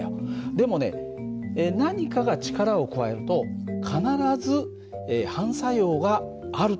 でもね何かが力を加えると必ず反作用があるという事なんだ。